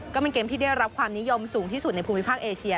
ก็เป็นเกมที่ได้รับความนิยมสูงที่สุดในภูมิภาคเอเชีย